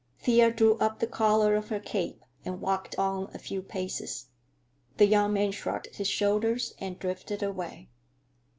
Thea drew up the collar of her cape and walked on a few paces. The young man shrugged his shoulders and drifted away.